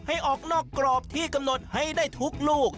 ออกนอกกรอบที่กำหนดให้ได้ทุกลูก